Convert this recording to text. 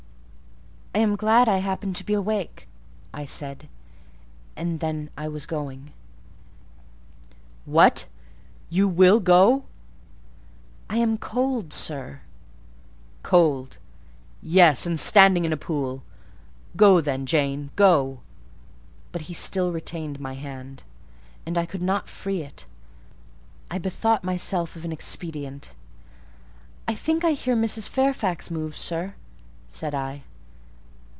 "I am glad I happened to be awake," I said: and then I was going. "What! you will go?" "I am cold, sir." "Cold? Yes,—and standing in a pool! Go, then, Jane; go!" But he still retained my hand, and I could not free it. I bethought myself of an expedient. "I think I hear Mrs. Fairfax move, sir," said I.